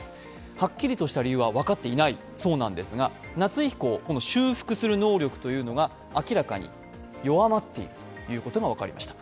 はっきりとした理由は分かっていないそうなんですが、夏以降、修復する能力が明らかに弱まっていることが分かりました。